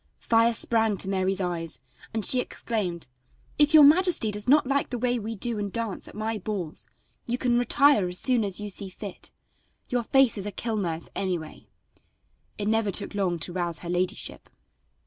Fire sprang to Mary's eyes and she exclaimed: "If your majesty does not like the way we do and dance at my balls you can retire as soon as you see fit. Your face is a kill mirth anyway." It never took long to rouse her ladyship.